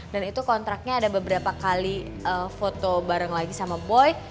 dan itu kontraknya ada beberapa kali foto bareng lagi sama boy